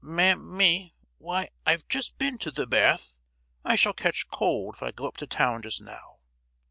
"Mam—my! Why, I've just been to the bath. I shall catch cold if I go up to town just now!"